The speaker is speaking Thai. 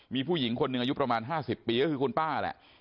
มีผู้หญิงคนหนึ่งอายุประมาณ๕๐ปีก็คือคุณป้าแหละ